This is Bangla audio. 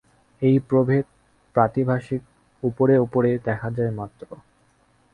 এই প্রভেদ প্রাতিভাসিক, উপরে উপরে দেখা যায় মাত্র।